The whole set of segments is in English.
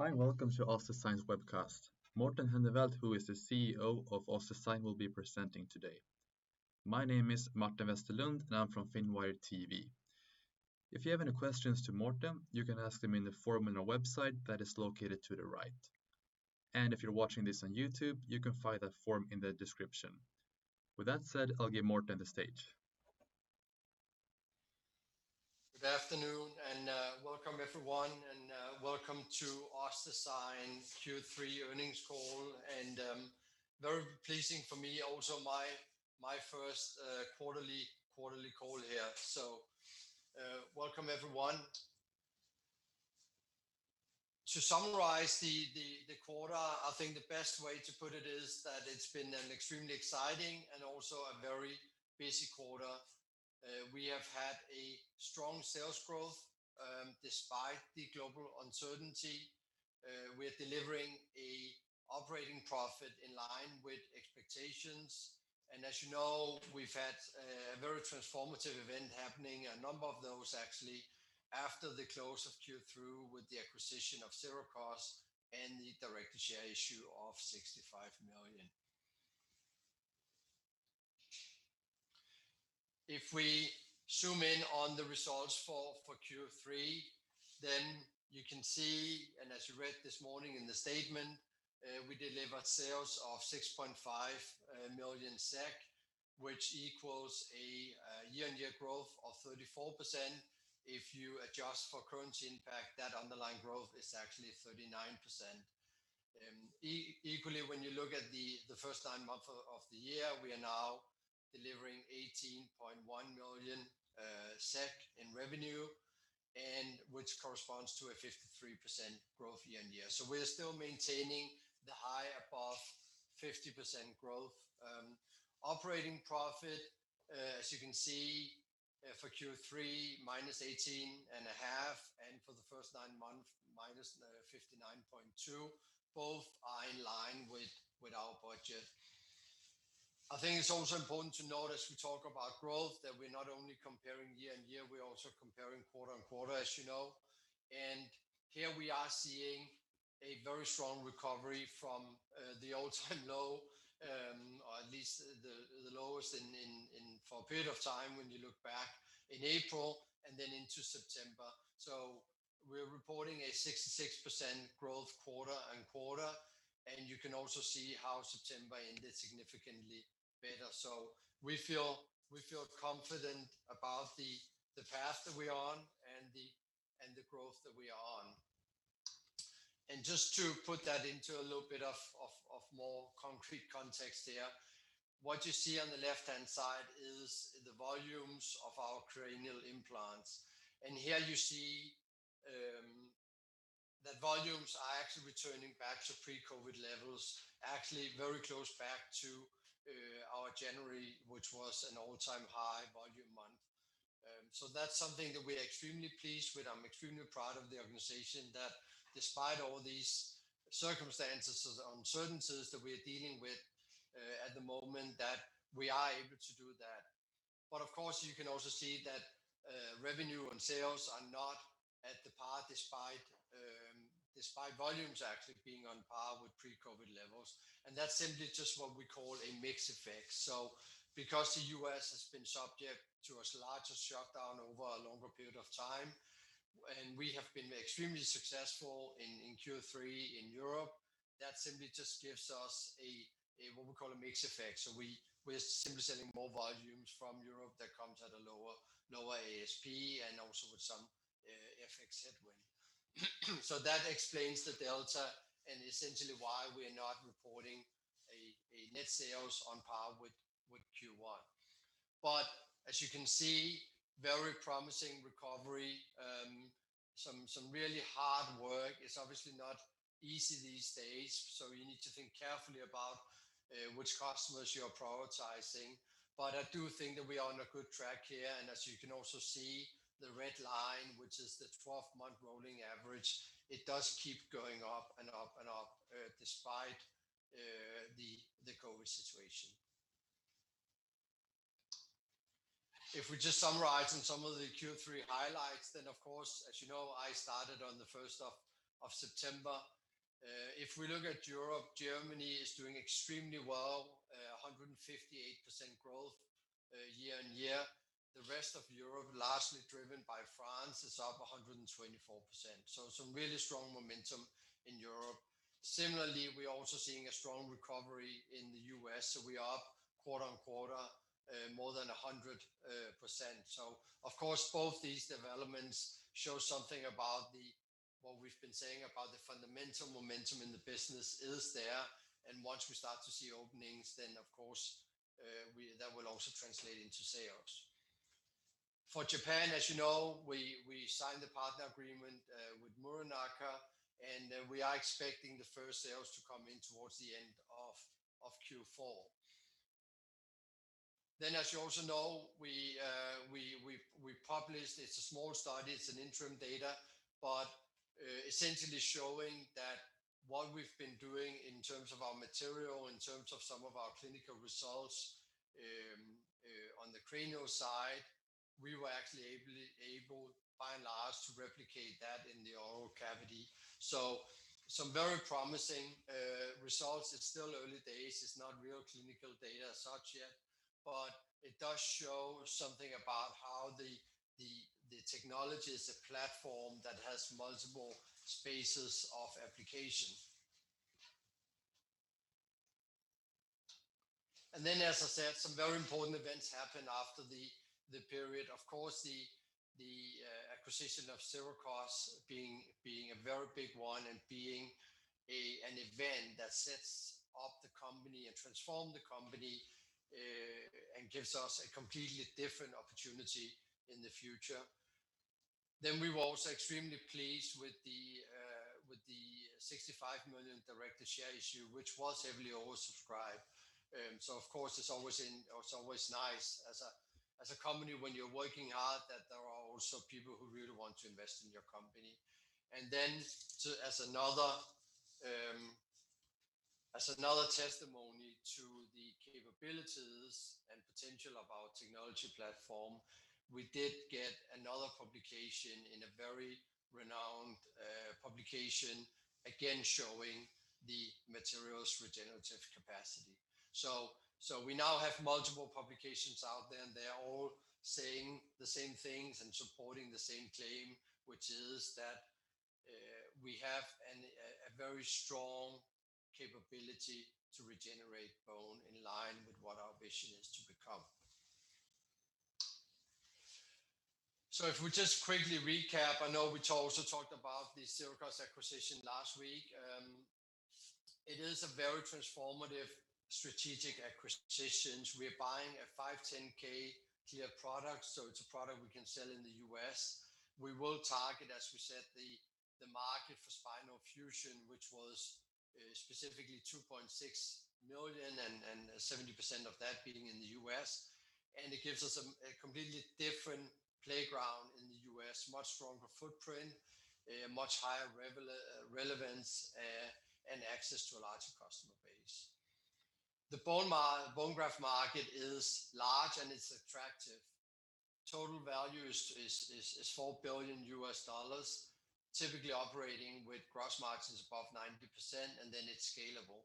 Hi, welcome to OssDsign's webcast. Morten Henneveld, who is the CEO of OssDsign, will be presenting today. My name is Martin Westerlund, and I'm from Finwire TV. If you have any questions to Morten, you can ask them in the form on our website that is located to the right. If you're watching this on YouTube, you can find that form in the description. With that said, I'll give Morten the stage. Good afternoon, welcome, everyone, and welcome to OssDsign Q3 earnings call. Very pleasing for me also my Q1 call here. Welcome, everyone. To summarize the quarter, I think the best way to put it is that it's been an extremely exciting and also a very busy quarter. We have had a strong sales growth despite the global uncertainty. We're delivering a operating profit in line with expectations. As you know, we've had a very transformative event happening, a number of those actually, after the close of Q3 with the acquisition of Sirakoss and the direct share issue of 65 million. If we zoom in on the results for Q3, then you can see, and as you read this morning in the statement, we delivered sales of 6.5 million SEK, which equals a year-on-year growth of 34%. If you adjust for currency impact, that underlying growth is actually 39%. When you look at the first nine months of the year, we are now delivering 18.1 million SEK in revenue, which corresponds to a 53% year-on-year growth. We are still maintaining the high above 50% growth. Operating profit, as you can see, for Q3, minus 18.5, and for the first nine months, minus 59.2, both are in line with our budget. I think it's also important to note as we talk about growth, that we're not only comparing year-on-year, we're also comparing quarter-on-quarter, as you know. Here we are seeing a very strong recovery from the all-time low, or at least the lowest for a period of time when you look back in April and then into September. We're reporting a 66% growth quarter-on-quarter, and you can also see how September ended significantly better. We feel confident about the path that we're on and the growth that we are on. Just to put that into a little bit of more concrete context here, what you see on the left-hand side is the volumes of our cranial implants. Here you see that volumes are actually returning back to pre-COVID levels, actually very close back to our January, which was an all-time high volume month. That's something that we are extremely pleased with. I'm extremely proud of the organization that despite all these circumstances or the uncertainties that we are dealing with at the moment, that we are able to do that. Of course, you can also see that revenue and sales are not at the par despite volumes actually being on par with pre-COVID levels. That simply just what we call a mix effect. Because the U.S. has been subject to a larger shutdown over a longer period of time, and we have been extremely successful in Q3 in Europe, that simply just gives us a what we call a mix effect. We are simply selling more volumes from Europe that comes at a lower ASP and also with some FX headwind. That explains the delta and essentially why we are not reporting a net sales on par with Q1. As you can see, very promising recovery. Some really hard work. It is obviously not easy these days, you need to think carefully about which customers you are prioritizing. I do think that we are on a good track here. As you can also see the red line, which is the 12-month rolling average, it does keep going up and up and up despite the COVID situation. We just summarize on some of the Q3 highlights, of course, as you know, I started on the 1st of September. We look at Europe, Germany is doing extremely well, 158% growth year-on-year. The rest of Europe, largely driven by France, is up 124%. Some really strong momentum in Europe. Similarly, we're also seeing a strong recovery in the U.S. We are up quarter-on-quarter more than 100%. Of course, both these developments show something about what we've been saying about the fundamental momentum in the business is there. Once we start to see openings, of course, that will also translate into sales. For Japan, as you know, we signed the partner agreement with Muranaka, we are expecting the first sales to come in towards the end of Q4. As you also know, we published, it's a small study, it's an interim data, but essentially showing what we've been doing in terms of our material, in terms of some of our clinical results on the cranial side, we were actually able, by and large, to replicate that in the oral cavity. Some very promising results. It's still early days. It's not real clinical data as such yet, it does show something about how the technology is a platform that has multiple spaces of application. As I said, some very important events happened after the period. The acquisition of Sirakoss being a very big one and being an event that sets up the company and transforms the company, and gives us a completely different opportunity in the future. We were also extremely pleased with the 65 million director share issue, which was heavily oversubscribed. It's always nice as a company when you're working hard that there are also people who really want to invest in your company. As another testimony to the capabilities and potential of our technology platform, we did get another publication in a very renowned publication, again, showing the material's regenerative capacity. We now have multiple publications out there, and they're all saying the same things and supporting the same claim, which is that we have a very strong capability to regenerate bone in line with what our vision is to become. If we just quickly recap, I know we also talked about the Sirakoss acquisition last week. It is a very transformative strategic acquisition. We're buying a 510(k) clear product, it's a product we can sell in the U.S. We will target, as we said, the market for spinal fusion, which was specifically $2.6 million and 70% of that being in the U.S., it gives us a completely different playground in the U.S., much stronger footprint, a much higher relevance, and access to a larger customer base. The bone graft market is large, it's attractive. Total value is $4 billion US, typically operating with gross margins above 90%, it's scalable.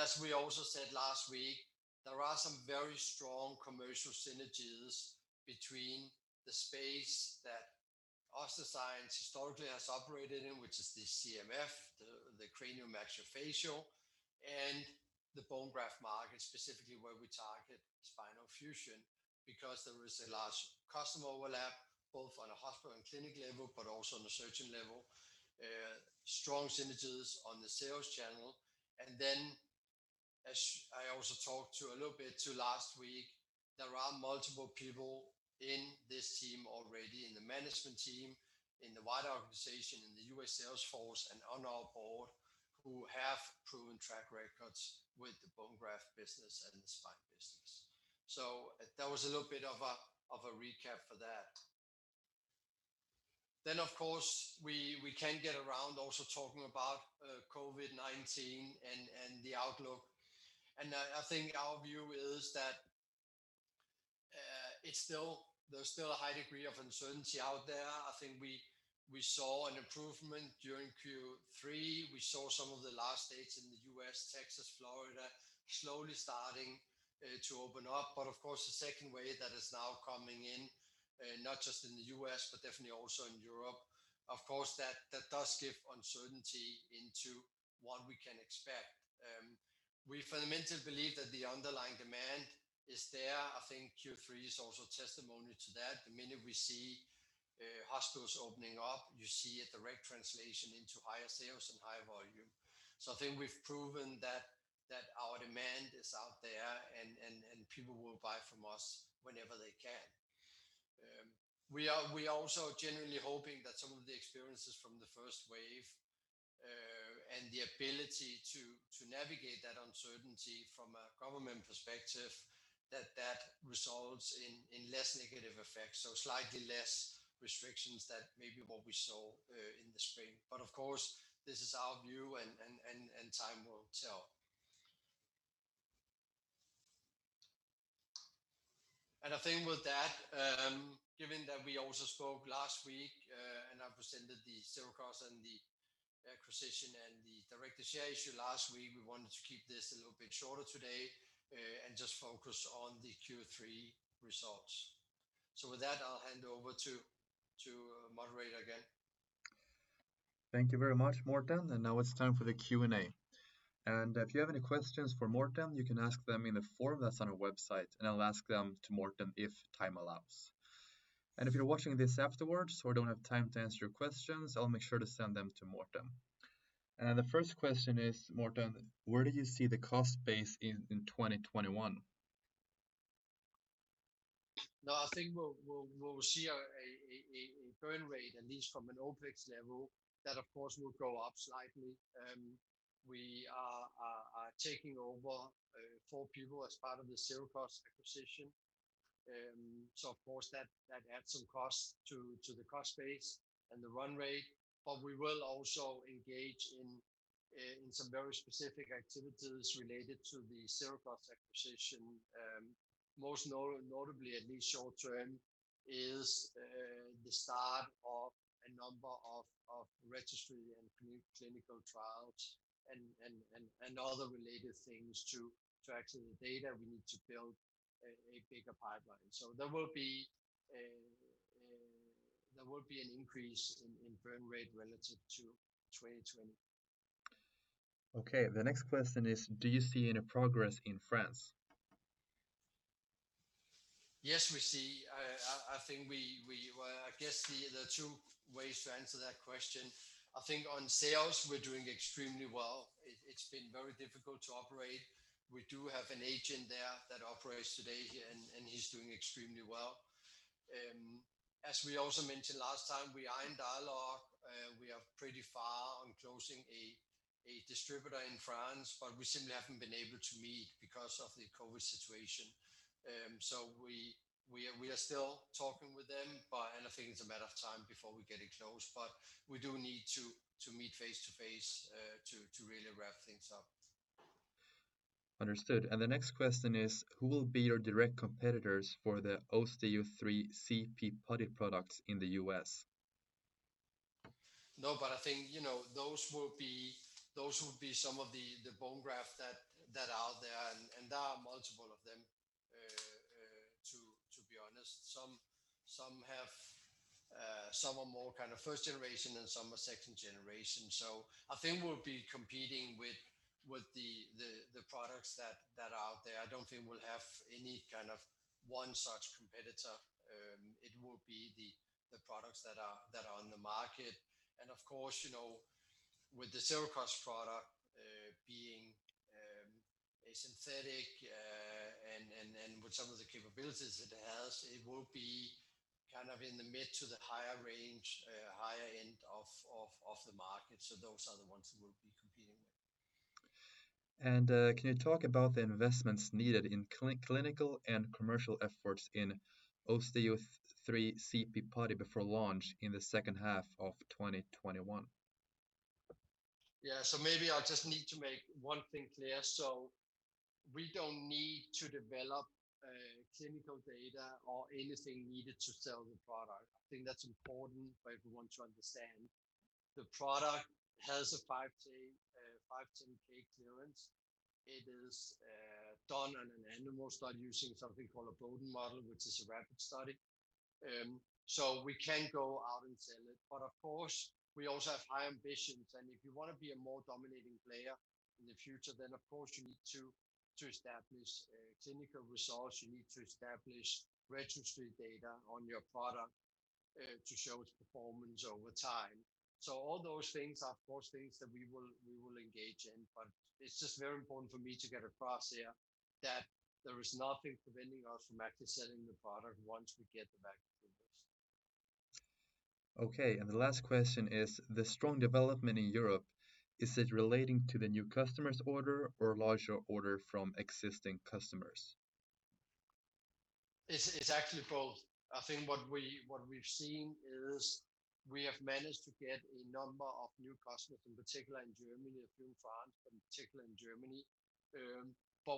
As we also said last week, there are some very strong commercial synergies between the space that OssDsign historically has operated in, which is the CMF, the craniomaxillofacial, and the bone graft market, specifically where we target spinal fusion, because there is a large customer overlap, both on a hospital and clinic level, but also on a surgeon level. Strong synergies on the sales channel. As I also talked to a little bit to last week, there are multiple people in this team already, in the management team, in the wider organization, in the U.S. sales force, and on our board who have proven track records with the bone graft business and the spine business. That was a little bit of a recap for that. Of course, we can get around also talking about COVID-19 and the outlook. I think our view is that there's still a high degree of uncertainty out there. I think we saw an improvement during Q3. We saw some of the last states in the U.S., Texas, Florida, slowly starting to open up. Of course, the second wave that is now coming in, not just in the U.S., but definitely also in Europe, of course, that does give uncertainty into what we can expect. We fundamentally believe that the underlying demand is there. I think Q3 is also testimony to that. The minute we see hospitals opening up, you see a direct translation into higher sales and higher volume. I think we've proven that our demand is out there, and people will buy from us whenever they can. We are also generally hoping that some of the experiences from the first wave, and the ability to navigate that uncertainty from a government perspective, that results in less negative effects, slightly less restrictions than maybe what we saw in the spring. Of course, this is our view, and time will tell. I think with that, given that we also spoke last week, and I presented the Sirakoss and the acquisition and the director share issue last week, we wanted to keep this a little bit shorter today and just focus on the Q3 results. With that, I'll hand over to moderator again. Thank you very much, Morten, and now it's time for the Q&A. If you have any questions for Morten, you can ask them in the form that's on our website, and I'll ask them to Morten if time allows. If you're watching this afterwards or don't have time to answer your questions, I'll make sure to send them to Morten. The first question is, Morten, where do you see the cost base in 2021? No, I think we'll see a burn rate, at least from an OpEx level, that of course, will go up slightly. We are taking over four people as part of the Xerocort acquisition. Of course that adds some cost to the cost base and the run rate. We will also engage in some very specific activities related to the Xerocort acquisition. Most notably, at least short term, is the start of a number of registry and clinical trials and other related things to access the data we need to build a bigger pipeline. There will be an increase in burn rate relative to 2020. Okay. The next question is, do you see any progress in France? Yes, we see. I guess there are two ways to answer that question. I think on sales, we're doing extremely well. It's been very difficult to operate. We do have an agent there that operates today, and he's doing extremely well. As we also mentioned last time, we are in dialogue. We are pretty far on closing a distributor in France, but we simply haven't been able to meet because of the COVID situation. We are still talking with them, and I think it's a matter of time before we get it closed, but we do need to meet face-to-face to really wrap things up. Understood. The next question is, who will be your direct competitors for the Osteo3 ZP putty products in the U.S.? I think those will be some of the bone grafts that are out there, and there are multiple of them, to be honest. Some are more first generation and some are second generation. I think we'll be competing with the products that are out there. I don't think we'll have any one such competitor. It will be the products that are on the market. Of course, with the Xerocort product being a synthetic and with some of the capabilities it has, it will be in the mid to the higher range, higher end of the market. Those are the ones we will be competing with. Can you talk about the investments needed in clinical and commercial efforts in Osteo3 ZP Putty before launch in the second half of 2021? Yeah. Maybe I just need to make one thing clear. We don't need to develop clinical data or anything needed to sell the product. I think that's important for everyone to understand. The product has a 510(k) clearance. It is done on an animal study using something called a Boden model, which is a rabbit study. We can go out and sell it. Of course, we also have high ambitions, and if you want to be a more dominating player in the future, then of course you need to establish clinical results. You need to establish registry data on your product to show its performance over time. All those things are, of course, things that we will engage in, but it's just very important for me to get across here that there is nothing preventing us from actually selling the product once we get the 510(k) clearance. Okay. The last question is, the strong development in Europe, is it relating to the new customer's order or larger order from existing customers? It's actually both. I think what we've seen is we have managed to get a number of new customers, in particular in Germany, a few in France, but in particular in Germany.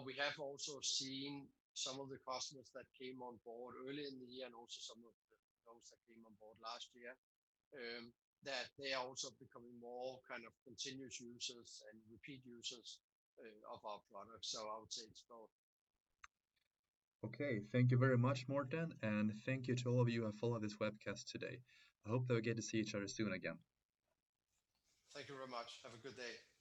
We have also seen some of the customers that came on board early in the year and also some of those that came on board last year, that they are also becoming more continuous users and repeat users of our products. I would say it's both. Okay. Thank you very much, Morten, and thank you to all of you who followed this webcast today. I hope that we get to see each other soon again. Thank you very much. Have a good day.